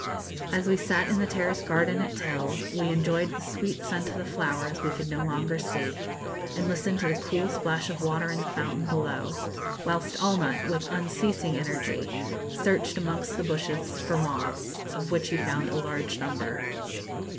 As we sat in the terrace garden at Til we enjoyed the sweet scent of the flowers we could no longer see, and listened to the cool splash of the water in the fountain below; whilst Allnutt, with unceasing energy, searched amongst the bushes for moths, of which he found a large number.